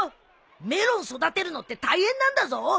メロン育てるのって大変なんだぞ。